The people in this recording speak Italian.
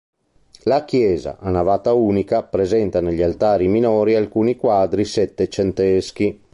La chiesa, a navata unica, presenta negli altari minori alcuni quadri settecenteschi.